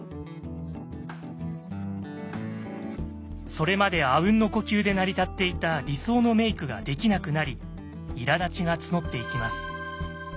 それまであうんの呼吸で成り立っていた理想のメイクができなくなり苛立ちが募っていきます。